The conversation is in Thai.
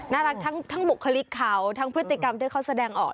น่ารักทั้งบุคลิกเขาทั้งพฤติกรรมที่เขาแสดงออก